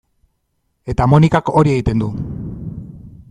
Eta Monikak hori egiten du.